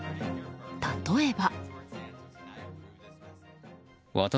例えば。